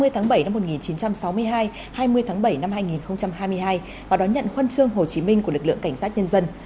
hai mươi tháng bảy năm một nghìn chín trăm sáu mươi hai hai mươi tháng bảy năm hai nghìn hai mươi hai và đón nhận huân chương hồ chí minh của lực lượng cảnh sát nhân dân